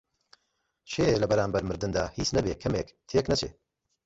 کێیە لە بەرانبەر مردندا هیچ نەبێ کەمێک تێک نەچێ؟